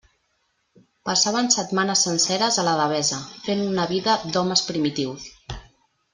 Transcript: Passaven setmanes senceres a la Devesa, fent una vida d'homes primitius.